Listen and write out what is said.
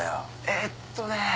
えっとね。